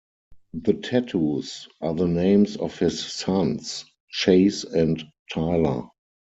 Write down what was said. The tattoos are the names of his sons, "Chase" and "Tyler".